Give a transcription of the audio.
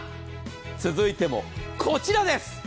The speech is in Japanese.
続いても、こちらです。